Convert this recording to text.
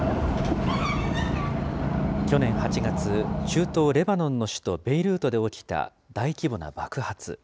去年８月、中東レバノンの首都ベイルートで起きた大規模な爆発。